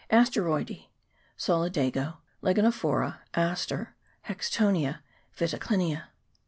Asteroidece (Solidago, Lageno phora, Aster, Haxtonia, Vittaclinia) .